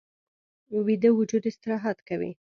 ویده وجود استراحت کوي